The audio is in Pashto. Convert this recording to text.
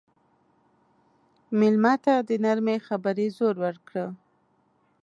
مېلمه ته د نرمې خبرې زور ورکړه.